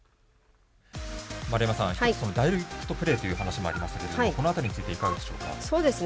丸山さん、一つダイレクトプレーという話もありましたけどもこの辺りについていかがでしょうか？